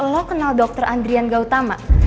lo kenal dr andrian gautama